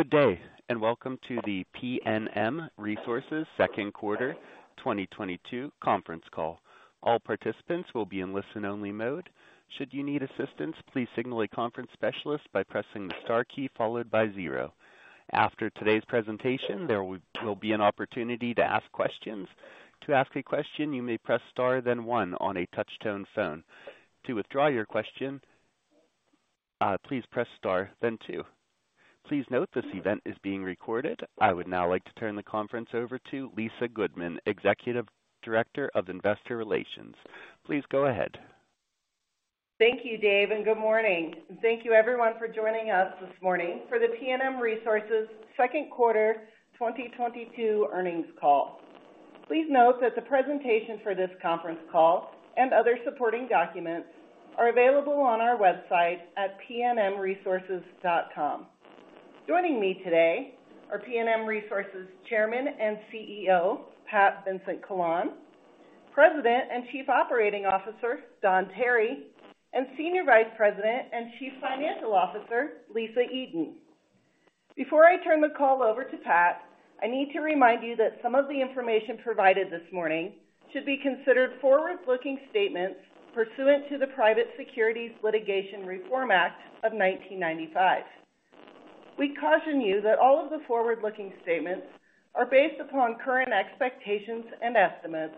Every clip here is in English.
Good day, and welcome to the PNM Resources second quarter 2022 conference call. All participants will be in listen-only mode. Should you need assistance, please signal a conference specialist by pressing the star key followed by zero. After today's presentation, there will be an opportunity to ask questions. To ask a question, you may press Star then One on a touch-tone phone. To withdraw your question, please press Star then Two. Please note this event is being recorded. I would now like to turn the conference over to Lisa Goodman, Executive Director of Investor Relations. Please go ahead. Thank you, Dave, and good morning. Thank you everyone for joining us this morning for the PNM Resources second quarter 2022 earnings call. Please note that the presentation for this conference call and other supporting documents are available on our website at pnmresources.com. Joining me today are PNM Resources Chairman and Chief Executive Officer, Pat Vincent-Collawn, President and Chief Operating Officer, Don Tarry, and Senior Vice President and Chief Financial Officer, Lisa Eden. Before I turn the call over to Pat, I need to remind you that some of the information provided this morning should be considered forward-looking statements pursuant to the Private Securities Litigation Reform Act of 1995. We caution you that all of the forward-looking statements are based upon current expectations and estimates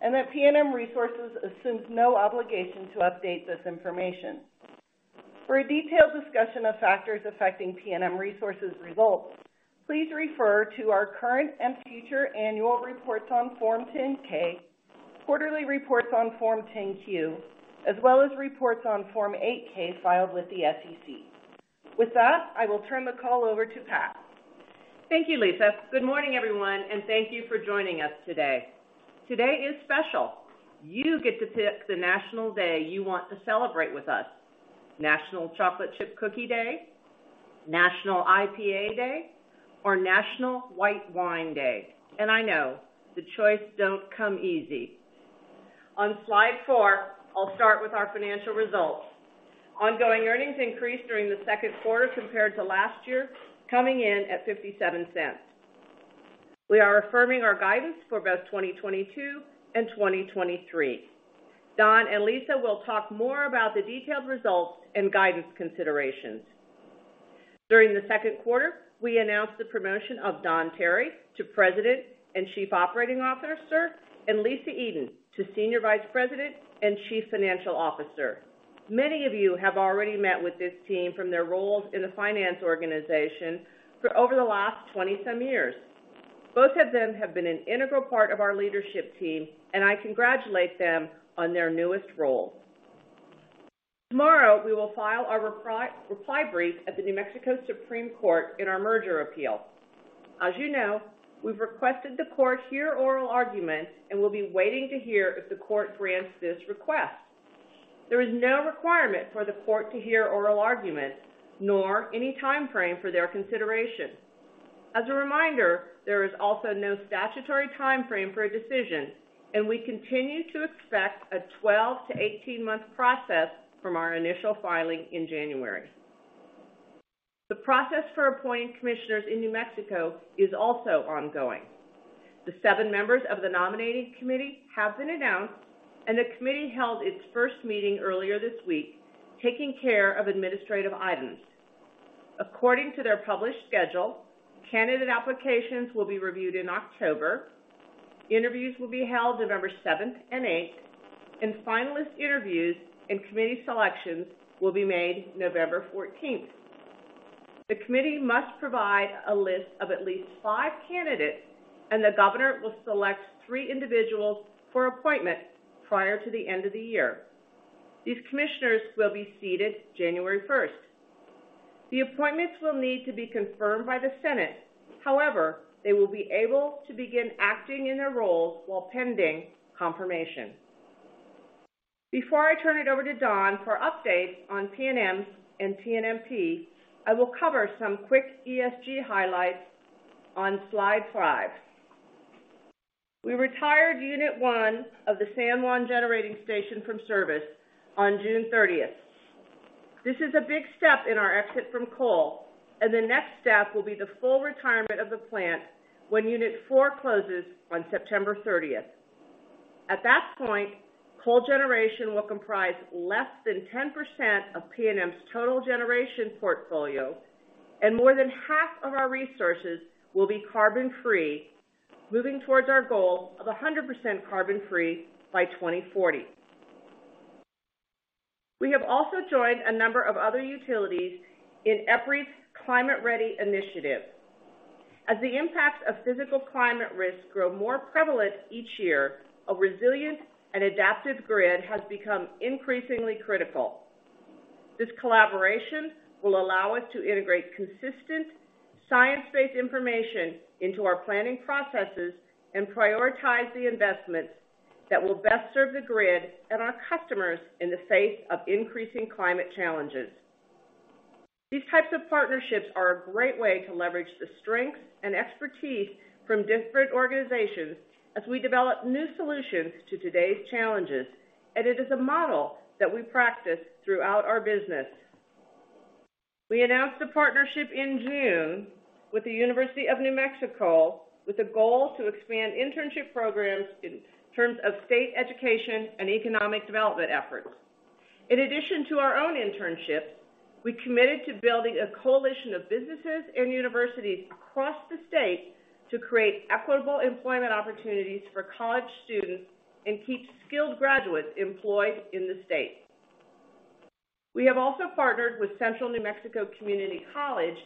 and that PNM Resources assumes no obligation to update this information. For a detailed discussion of factors affecting PNM Resources results, please refer to our current and future annual reports on Form 10-K, quarterly reports on Form 10-Q, as well as reports on Form 8-K filed with the SEC. With that, I will turn the call over to Pat. Thank you, Lisa. Good morning, everyone, and thank you for joining us today. Today is special. You get to pick the national day you want to celebrate with us. National Chocolate Chip Cookie Day, National IPA Day, or National White Wine Day. I know the choice don't come easy. On slide four, I'll start with our financial results. Ongoing earnings increased during the second quarter compared to last year, coming in at $0.57. We are affirming our guidance for both 2022 and 2023. Don and Lisa will talk more about the detailed results and guidance considerations. During the second quarter, we announced the promotion of Don Tarry to President and Chief Operating Officer, and Lisa Eden to Senior Vice President and Chief Financial Officer. Many of you have already met with this team from their roles in the finance organization for over the last twenty-some years. Both of them have been an integral part of our leadership team, and I congratulate them on their newest role. Tomorrow, we will file our reply brief at the New Mexico Supreme Court in our merger appeal. As you know, we've requested the court hear oral arguments, and we'll be waiting to hear if the court grants this request. There is no requirement for the court to hear oral argument nor any timeframe for their consideration. As a reminder, there is also no statutory timeframe for a decision, and we continue to expect a 12-month to 18-month process from our initial filing in January. The process for appointing commissioners in New Mexico is also ongoing. The seven members of the nominating committee have been announced, and the committee held its first meeting earlier this week, taking care of administrative items. According to their published schedule, candidate applications will be reviewed in October, interviews will be held November seventh and eighth, and finalist interviews and committee selections will be made November fourteenth. The committee must provide a list of at least five candidates, and the governor will select three individuals for appointment prior to the end of the year. These commissioners will be seated January first. The appointments will need to be confirmed by the Senate. However, they will be able to begin acting in their roles while pending confirmation. Before I turn it over to Don for updates on PNM and TNMP, I will cover some quick ESG highlights on slide five. We retired unit one of the San Juan Generating Station from service on June thirtieth. This is a big step in our exit from coal, and the next step will be the full retirement of the plant when unit four closes on September 30th. At that point, coal generation will comprise less than 10% of PNM's total generation portfolio, and more than half of our resources will be carbon-free, moving towards our goal of 100% carbon free by 2040. We have also joined a number of other utilities in EPRI's Climate READi initiative. As the impacts of physical climate risks grow more prevalent each year, a resilient and adaptive grid has become increasingly critical. This collaboration will allow us to integrate consistent science-based information into our planning processes and prioritize the investments that will best serve the grid and our customers in the face of increasing climate challenges. These types of partnerships are a great way to leverage the strengths and expertise from different organizations as we develop new solutions to today's challenges. It is a model that we practice throughout our business. We announced a partnership in June with the University of New Mexico, with a goal to expand internship programs in terms of state education and economic development efforts. In addition to our own internships, we committed to building a coalition of businesses and universities across the state to create equitable employment opportunities for college students and keep skilled graduates employed in the state. We have also partnered with Central New Mexico Community College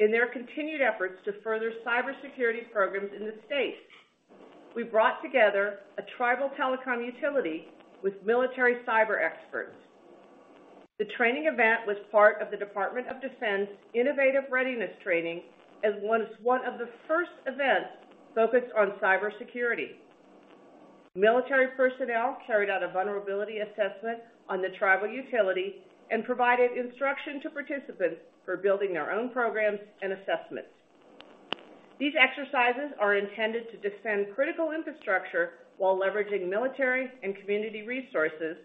in their continued efforts to further cybersecurity programs in the state. We brought together a tribal telecom utility with military cyber experts. The training event was part of the Department of Defense Innovative Readiness Training as one of the first events focused on cybersecurity. Military personnel carried out a vulnerability assessment on the tribal utility and provided instruction to participants for building their own programs and assessments. These exercises are intended to defend critical infrastructure while leveraging military and community resources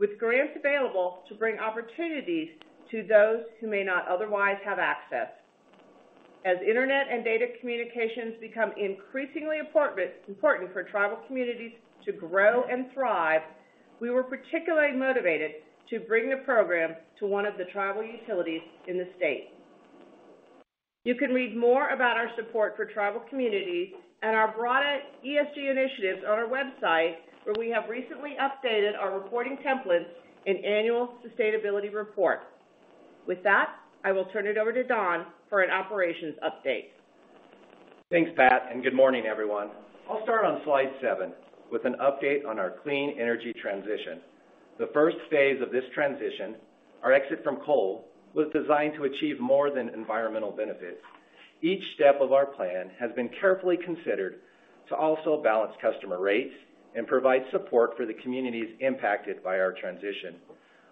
with grants available to bring opportunities to those who may not otherwise have access. As Internet and data communications become increasingly important for tribal communities to grow and thrive, we were particularly motivated to bring the program to one of the tribal utilities in the state. You can read more about our support for tribal communities and our broader ESG initiatives on our website, where we have recently updated our reporting templates in Annual Sustainability Report. With that, I will turn it over to Don for an operations update. Thanks, Pat, and good morning, everyone. I'll start on slide seven with an update on our clean energy transition. The first phase of this transition, our exit from coal, was designed to achieve more than environmental benefits. Each step of our plan has been carefully considered to also balance customer rates and provide support for the communities impacted by our transition.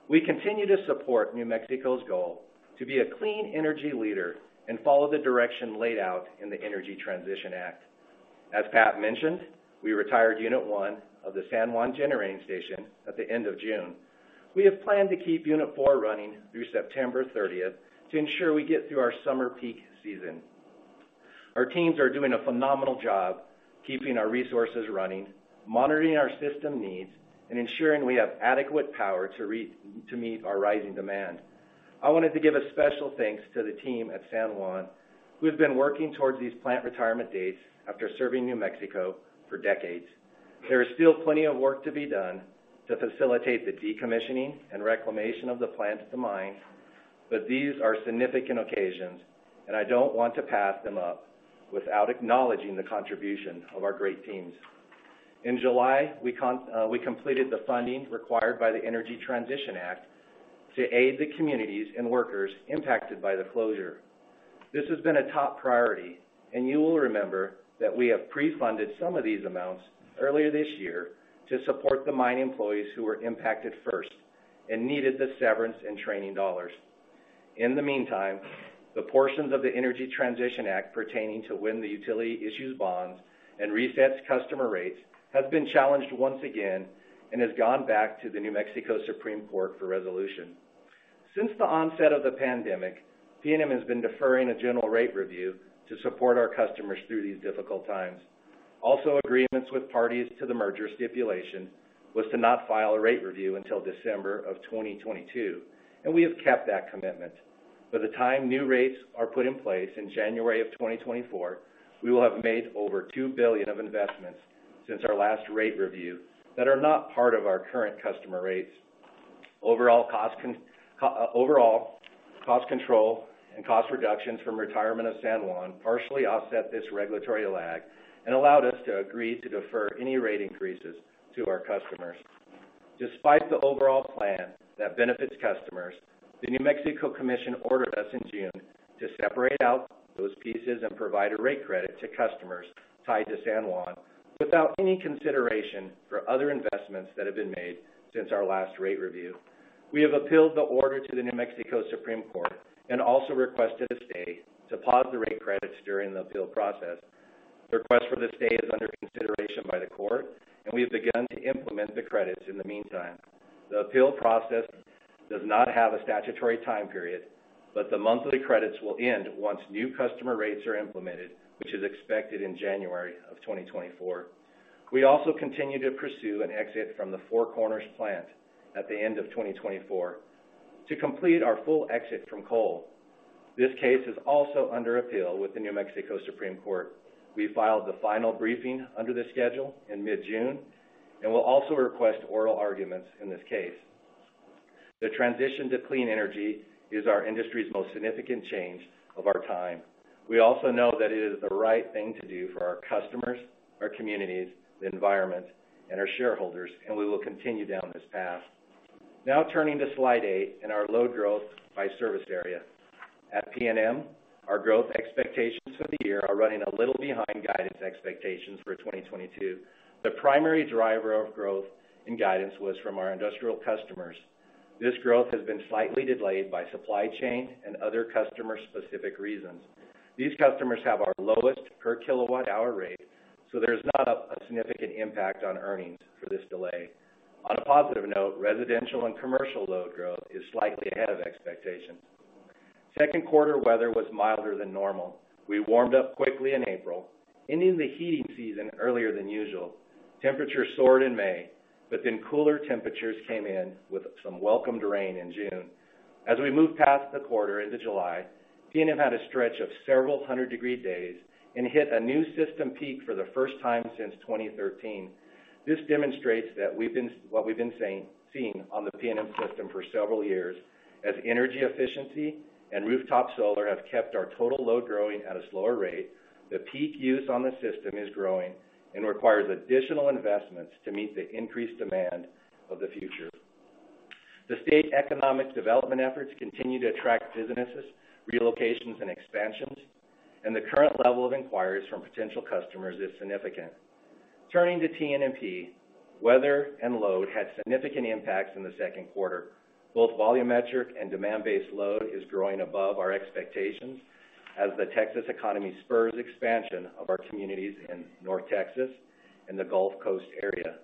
We continue to support New Mexico's goal to be a clean energy leader and follow the direction laid out in the Energy Transition Act. As Pat mentioned, we retired Unit 1 of the San Juan Generating Station at the end of June. We have planned to keep Unit 4 of the San Juan Generating Station running through September 30th to ensure we get through our summer peak season. Our teams are doing a phenomenal job keeping our resources running, monitoring our system needs, and ensuring we have adequate power to meet our rising demand. I wanted to give a special thanks to the team at San Juan, who have been working towards these plant retirement dates after serving New Mexico for decades. There is still plenty of work to be done to facilitate the decommissioning and reclamation of the plant and the mine, but these are significant occasions, and I don't want to pass them up without acknowledging the contribution of our great teams. In July, we completed the funding required by the Energy Transition Act to aid the communities and workers impacted by the closure. This has been a top priority, and you will remember that we have pre-funded some of these amounts earlier this year to support the mine employees who were impacted first and needed the severance and training dollars. In the meantime, the portions of the Energy Transition Act pertaining to when the utility issues bonds and resets customer rates has been challenged once again and has gone back to the New Mexico Supreme Court for resolution. Since the onset of the pandemic, PNM has been deferring a general rate review to support our customers through these difficult times. Also, agreements with parties to the merger stipulation was to not file a rate review until December of 2022, and we have kept that commitment. By the time new rates are put in place in January 2024, we will have made over $2 billion of investments since our last rate review that are not part of our current customer rates. Overall, cost control and cost reductions from retirement of San Juan partially offset this regulatory lag and allowed us to agree to defer any rate increases to our customers. Despite the overall plan that benefits customers, the New Mexico Commission ordered us in June to separate out those pieces and provide a rate credit to customers tied to San Juan without any consideration for other investments that have been made since our last rate review. We have appealed the order to the New Mexico Supreme Court and also requested a stay to pause the rate credits during the appeal process. The request for the stay is under consideration by the court, and we have begun to implement the credits in the meantime. The appeal process does not have a statutory time period, but the monthly credits will end once new customer rates are implemented, which is expected in January 2024. We also continue to pursue an exit from the Four Corners plant at the end of 2024 to complete our full exit from coal. This case is also under appeal with the New Mexico Supreme Court. We filed the final briefing under the schedule in mid-June, and we'll also request oral arguments in this case. The transition to clean energy is our industry's most significant change of our time. We also know that it is the right thing to do for our customers, our communities, the environment, and our shareholders, and we will continue down this path. Now turning to slide eight and our load growth by service area. At PNM, our growth expectations for the year are running a little behind guidance expectations for 2022. The primary driver of growth and guidance was from our industrial customers. This growth has been slightly delayed by supply chain and other customer-specific reasons. These customers have our lowest per kWh, so there's not a significant impact on earnings for this delay. On a positive note, residential and commercial load growth is slightly ahead of expectations. Second quarter weather was milder than normal. We warmed up quickly in April, ending the heating season earlier than usual. Temperatures soared in May, but then cooler temperatures came in with some welcome rain in June. As we moved past the quarter into July, PNM had a stretch of several hundred-degree days and hit a new system peak for the first time since 2013. This demonstrates what we've been seeing on the PNM system for several years, as energy efficiency and rooftop solar have kept our total load growing at a slower rate. The peak use on the system is growing and requires additional investments to meet the increased demand of the future. The state economic development efforts continue to attract businesses, relocations, and expansions, and the current level of inquiries from potential customers is significant. Turning to TNMP, weather and load had significant impacts in the second quarter. Both volumetric and demand-based load is growing above our expectations as the Texas economy spurs expansion of our communities in North Texas and the Gulf Coast area.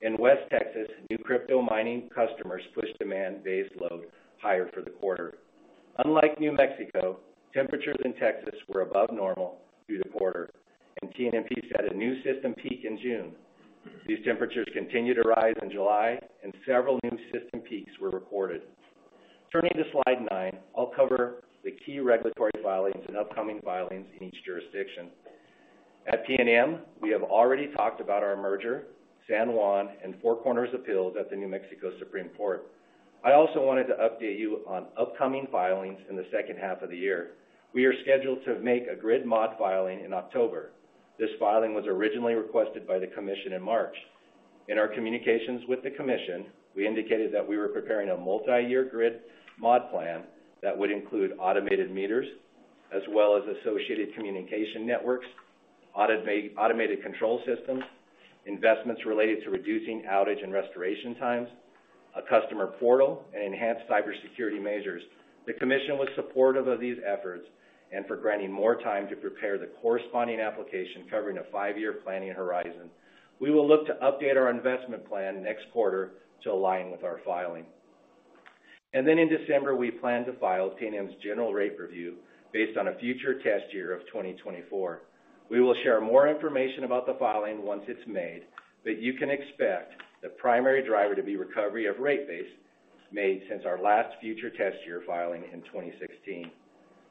In West Texas, new crypto mining customers pushed demand-based load higher for the quarter. Unlike New Mexico, temperatures in Texas were above normal through the quarter, and TNMP set a new system peak in June. These temperatures continued to rise in July, and several new system peaks were reported. Turning to slide nine, I'll cover the key regulatory filings and upcoming filings in each jurisdiction. At PNM, we have already talked about our merger, San Juan, and Four Corners appeals at the New Mexico Supreme Court. I also wanted to update you on upcoming filings in the second half of the year. We are scheduled to make a Grid Modernization filing in October. This filing was originally requested by the commission in March. In our communications with the commission, we indicated that we were preparing a multi-year grid mod plan that would include automated meters as well as associated communication networks, automated control systems, investments related to reducing outage and restoration times, a customer portal, and enhanced cybersecurity measures. The commission was supportive of these efforts and for granting more time to prepare the corresponding application covering a five-year planning horizon. We will look to update our investment plan next quarter to align with our filing. In December, we plan to file TNMP's general rate review based on a future test year of 2024. We will share more information about the filing once it's made, but you can expect the primary driver to be recovery of rate base made since our last future test year filing in 2016.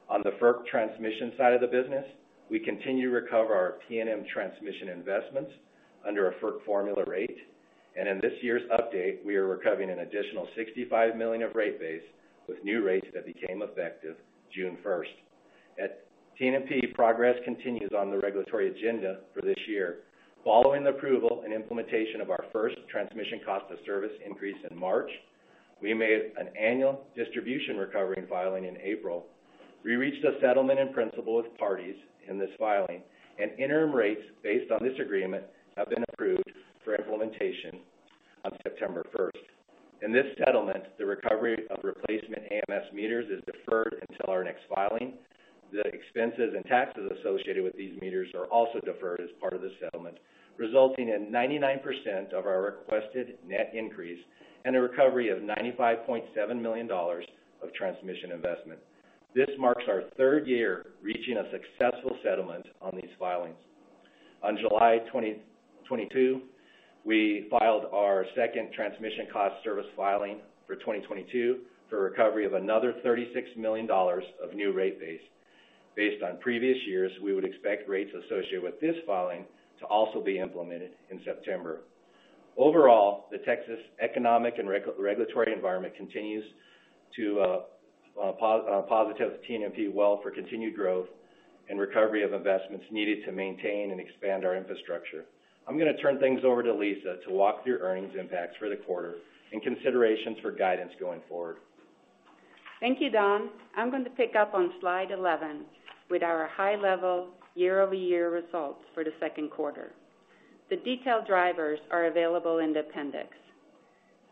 On the FERC transmission side of the business, we continue to recover our PNM transmission investments under a FERC formula rate. In this year's update, we are recovering an additional $65 million of rate base with new rates that became effective June first. At TNMP, progress continues on the regulatory agenda for this year. Following the approval and implementation of our first transmission cost of service increase in March, we made an annual distribution recovery filing in April. We reached a settlement in principle with parties in this filing, and interim rates based on this agreement have been approved for implementation on September first. In this settlement, the recovery of replacement AMS meters is deferred until our next filing. The expenses and taxes associated with these meters are also deferred as part of the settlement, resulting in 99% of our requested net increase and a recovery of $95.7 million of transmission investment. This marks our third year reaching a successful settlement on these filings. On July 2022, we filed our second transmission cost-of-service filing for 2022 for recovery of another $36 million of new rate base. Based on previous years, we would expect rates associated with this filing to also be implemented in September. Overall, the Texas economic and regulatory environment continues to position TNMP well for continued growth and recovery of investments needed to maintain and expand our infrastructure. I'm gonna turn things over to Lisa to walk through earnings impacts for the quarter and considerations for guidance going forward. Thank you, Don. I'm going to pick up on Slide 11 with our high-level year-over-year results for the second quarter. The detailed drivers are available in the appendix.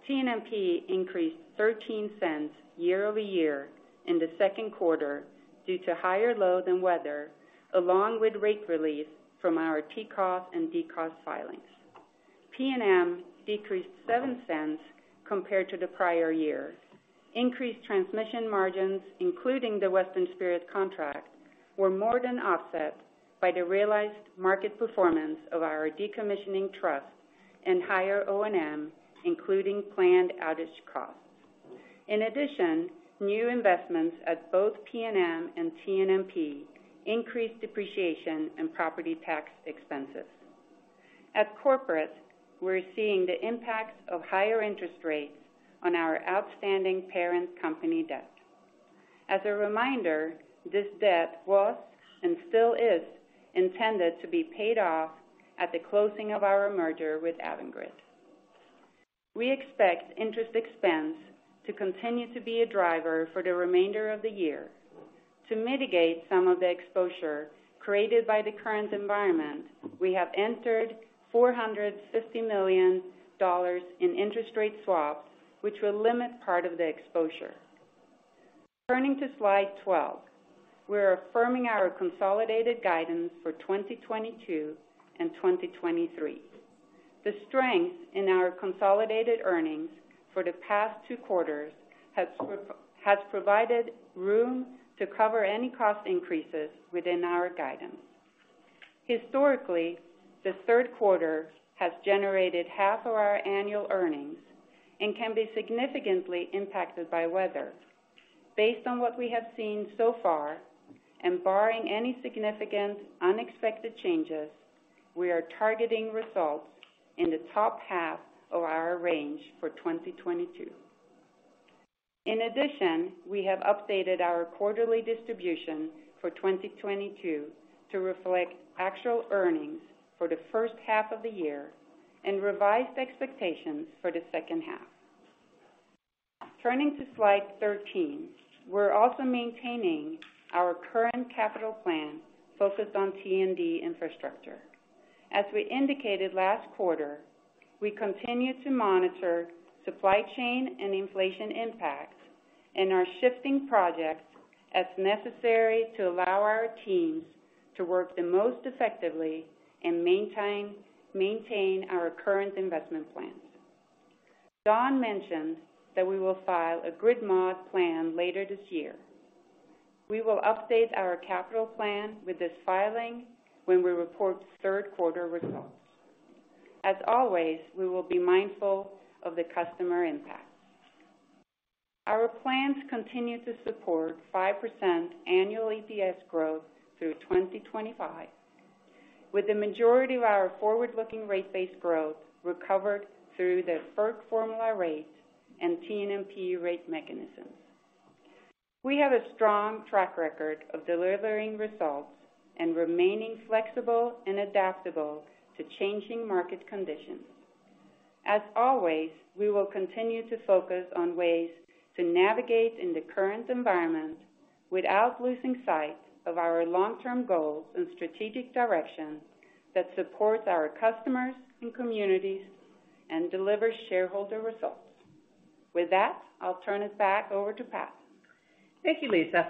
TNMP increased $0.13 year-over-year in the second quarter due to higher load and weather, along with rate relief from our TCOS and DCOS filings. PNM decreased $0.07 compared to the prior year. Increased transmission margins, including the Western Spirit contract, were more than offset by the realized market performance of our decommissioning trust and higher O&M, including planned outage costs. In addition, new investments at both PNM and TNMP increased depreciation and property tax expenses. At corporate, we're seeing the impacts of higher interest rates on our outstanding parent company debt. As a reminder, this debt was and still is intended to be paid off at the closing of our merger with Avangrid. We expect interest expense to continue to be a driver for the remainder of the year. To mitigate some of the exposure created by the current environment, we have entered $450 million in interest rate swaps, which will limit part of the exposure. Turning to Slide 12. We're affirming our consolidated guidance for 2022 and 2023. The strength in our consolidated earnings for the past two quarters has provided room to cover any cost increases within our guidance. Historically, the third quarter has generated half of our annual earnings and can be significantly impacted by weather. Based on what we have seen so far, and barring any significant unexpected changes, we are targeting results in the top half of our range for 2022. In addition, we have updated our quarterly distribution for 2022 to reflect actual earnings for the first half of the year and revised expectations for the second half. Turning to Slide 13. We're also maintaining our current capital plan focused on T&D infrastructure. As we indicated last quarter, we continue to monitor supply chain and inflation impacts and are shifting projects as necessary to allow our teams to work the most effectively and maintain our current investment plans. Don mentioned that we will file a grid mod plan later this year. We will update our capital plan with this filing when we report third quarter results. As always, we will be mindful of the customer impact. Our plans continue to support 5% annual EPS growth through 2025, with the majority of our forward-looking rate-based growth recovered through the FERC formula rates and TNMP rate mechanisms. We have a strong track record of delivering results and remaining flexible and adaptable to changing market conditions. As always, we will continue to focus on ways to navigate in the current environment without losing sight of our long-term goals and strategic direction that supports our customers and communities and delivers shareholder results. With that, I'll turn it back over to Pat. Thank you, Lisa.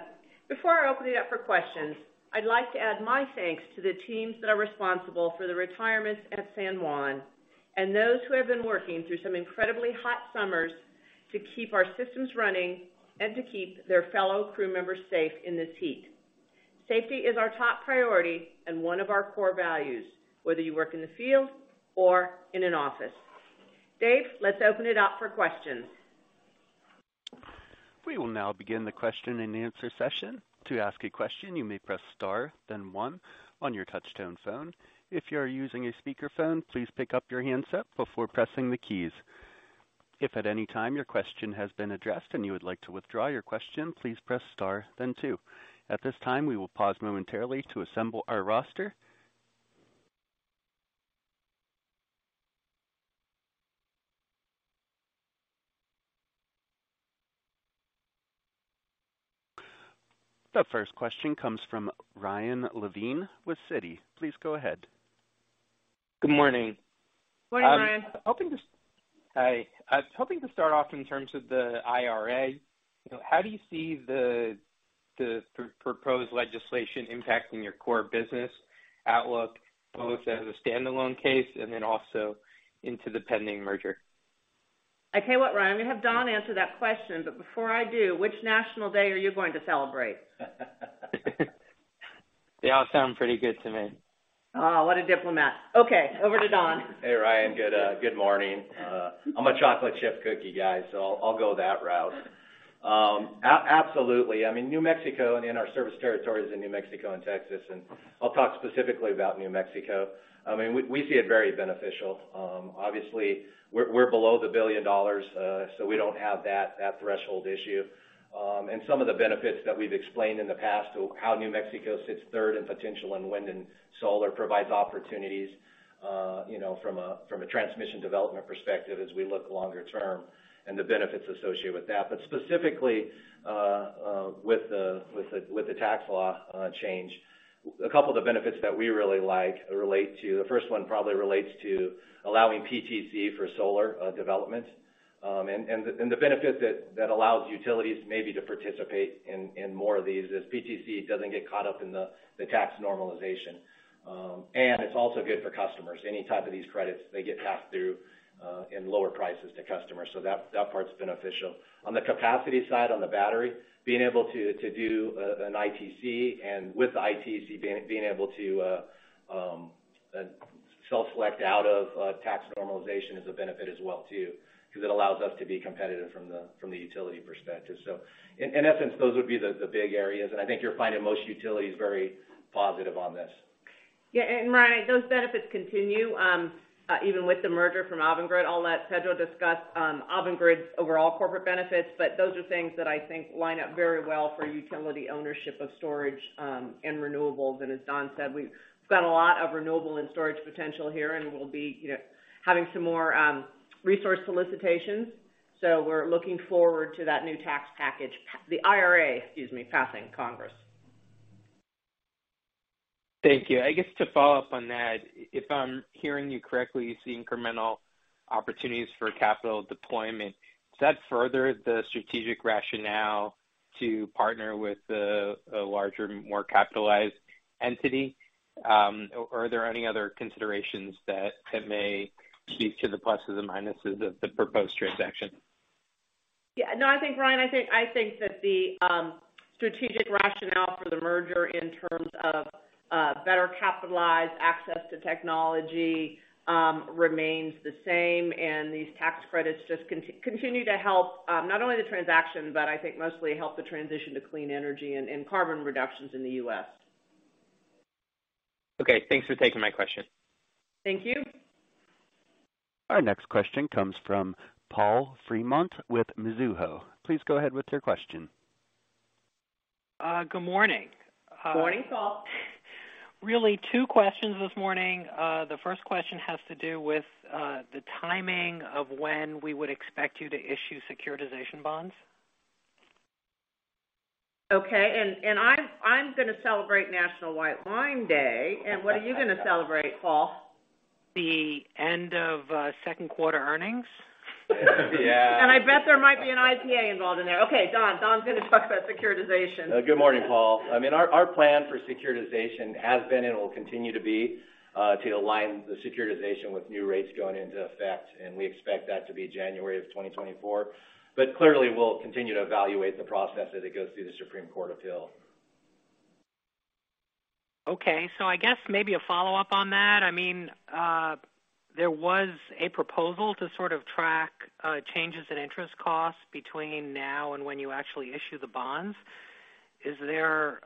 Before I open it up for questions, I'd like to add my thanks to the teams that are responsible for the retirements at San Juan and those who have been working through some incredibly hot summers to keep our systems running and to keep their fellow crew members safe in this heat. Safety is our top priority and one of our core values, whether you work in the field or in an office. Dave, let's open it up for questions. We will now begin the question-and-answer session. To ask a question, you may press star, then one on your touchtone phone. If you are using a speakerphone, please pick up your handset before pressing the keys. If at any time your question has been addressed and you would like to withdraw your question, please press star then two. At this time, we will pause momentarily to assemble our roster. The first question comes from Ryan Levine with Citi. Please go ahead. Good morning. Morning, Ryan. Hi. I was hoping to start off in terms of the IRA. How do you see the proposed legislation impacting your core business outlook, both as a standalone case and then also into the pending merger? I tell you what, Ryan, I'm gonna have Don answer that question, but before I do, which National Day are you going to celebrate? They all sound pretty good to me. Oh, what a diplomat. Okay, over to Don. Hey, Ryan. Good morning. I'm a chocolate chip cookie guy, so I'll go that route. Absolutely. I mean, New Mexico and in our service territories in New Mexico and Texas, and I'll talk specifically about New Mexico. I mean, we see it very beneficial. Obviously, we're below $1 billion, so we don't have that threshold issue. Some of the benefits that we've explained in the past of how New Mexico sits third in potential in wind and solar provides opportunities, you know, from a transmission development perspective as we look longer term and the benefits associated with that. Specifically, with the tax law change, a couple of the benefits that we really like relate to, the first one probably relates to allowing PTC for solar development, and the benefit that allows utilities maybe to participate in more of these as PTC doesn't get caught up in the tax normalization. It's also good for customers. Any type of these credits, they get passed through in lower prices to customers. That part's beneficial. On the capacity side, on the battery, being able to do an ITC and with the ITC being able to self-select out of tax normalization is a benefit as well, too, because it allows us to be competitive from the utility perspective. In essence, those would be the big areas. I think you're finding most utilities very positive on this. Yeah, Ryan, those benefits continue, even with the merger from Avangrid. I'll let Pedro discuss Avangrid's overall corporate benefits, but those are things that I think line up very well for utility ownership of storage and renewables. As Don said, we've got a lot of renewable and storage potential here, and we'll be, you know, having some more resource solicitations. We're looking forward to that new tax package, the IRA, excuse me, passing Congress. Thank you. I guess to follow up on that, if I'm hearing you correctly, you see incremental opportunities for capital deployment. Does that further the strategic rationale to partner with a larger, more capitalized entity? Are there any other considerations that may speak to the pluses and minuses of the proposed transaction? Yeah. No, I think, Ryan, that the strategic rationale for the merger in terms of better capitalized access to technology remains the same. These tax credits just continue to help not only the transaction, but I think mostly help the transition to clean energy and carbon reductions in the US. Okay. Thanks for taking my question. Thank you. Our next question comes from Paul Fremont with Mizuho. Please go ahead with your question. Good morning. Morning, Paul. Really two questions this morning. The first question has to do with, the timing of when we would expect you to issue securitization bonds. Okay. I'm gonna celebrate National White Wine Day. What are you gonna celebrate, Paul? The end of second quarter earnings. I bet there might be an IPA involved in there. Okay, Don. Don's gonna talk about securitization. Good morning, Paul. I mean, our plan for securitization has been and will continue to be to align the securitization with new rates going into effect. We expect that to be January of 2024. Clearly, we'll continue to evaluate the process as it goes through the Supreme Court appeal. Okay. I guess maybe a follow-up on that. I mean, there was a proposal to sort of track changes in interest costs between now and when you actually issue the bonds. Is there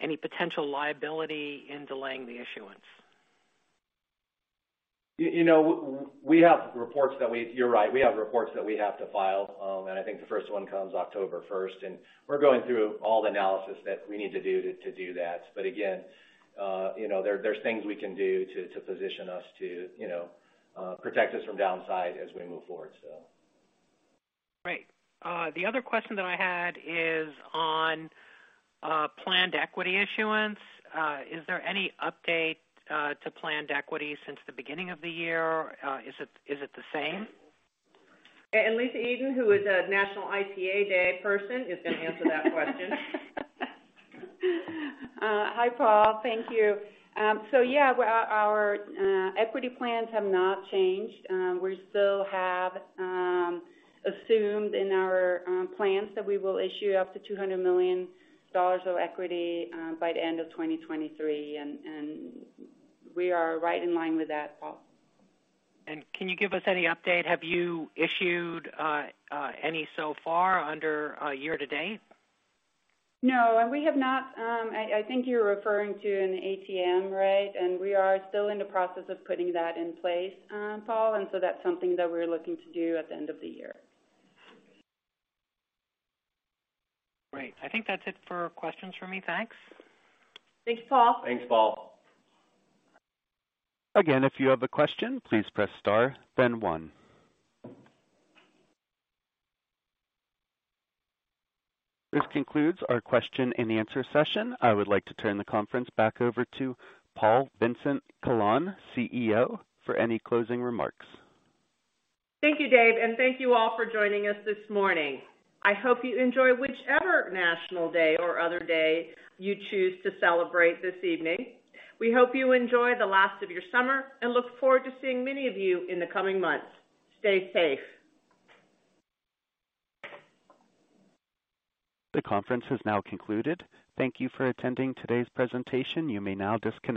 any potential liability in delaying the issuance? You're right, we have reports that we have to file. I think the first one comes October first, and we're going through all the analysis that we need to do to do that. Again, you know, there's things we can do to position us to, you know, protect us from downside as we move forward. Great. The other question that I had is on planned equity issuance. Is there any update to planned equity since the beginning of the year? Is it the same? Lisa Eden, who is a National IPA Day person, is gonna answer that question. Hi, Paul. Thank you. Yeah, our equity plans have not changed. We still have assumed in our plans that we will issue up to $200 million of equity by the end of 2023. We are right in line with that, Paul. Can you give us any update? Have you issued any so far under year to date? No, we have not. I think you're referring to an ATM, right? We are still in the process of putting that in place, Paul. That's something that we're looking to do at the end of the year. Great. I think that's it for questions from me. Thanks. Thanks, Paul. Thanks, Paul. Again, if you have a question, please press star then one. This concludes our question and answer session. I would like to turn the conference back over to Pat Vincent-Collawn, CEO, for any closing remarks. Thank you, Dave, and thank you all for joining us this morning. I hope you enjoy whichever national day or other day you choose to celebrate this evening. We hope you enjoy the last of your summer and look forward to seeing many of you in the coming months. Stay safe. The conference has now concluded. Thank you for attending today's presentation. You may now disconnect.